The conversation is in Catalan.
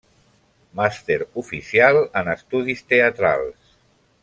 Màster oficial en Estudis teatrals.